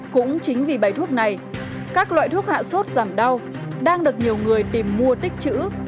cũng chính vì bài thuốc này các loại thuốc hạ sốt giảm đau đang được nhiều người tìm mua tích chữ